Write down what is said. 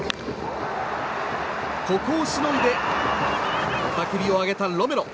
ここをしのいで雄たけびを上げたロメロ。